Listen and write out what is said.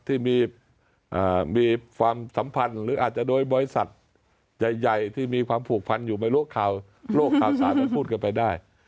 ที่มีความสัมพันธ์หรืออาจจะโดยบริษัทใหญ่ที่มีความผูกพันธ์อยู่ใบโลกขาวสารและพูดเข้าไปได้